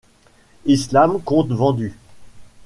Island compte vendus.